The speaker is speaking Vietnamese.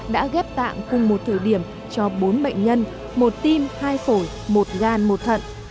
đã ghép tạng cùng một thời điểm cho bốn bệnh nhân một tim hai phổi một gan một thận